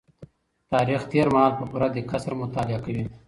تاريخ تېر مهال په پوره دقت سره مطالعه کوي.